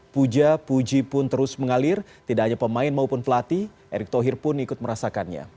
puja puji pun terus mengalir tidak hanya pemain maupun pelatih erick thohir pun ikut merasakannya